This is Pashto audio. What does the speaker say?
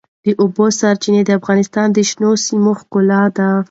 د اوبو سرچینې د افغانستان د شنو سیمو ښکلا ده.